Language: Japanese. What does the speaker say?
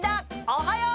おはよう！